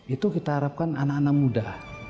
itu kita harapkan anak anak muda